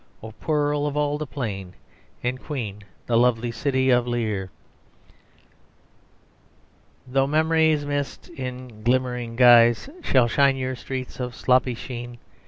O Pearl of all the plain, and queen, The lovely city of Lierre. "Through memory's mist in glimmering guise Shall shine your streets of sloppy sheen.